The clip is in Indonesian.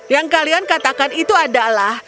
yang kalian katakan itu adalah